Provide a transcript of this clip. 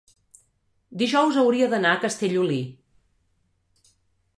dijous hauria d'anar a Castellolí.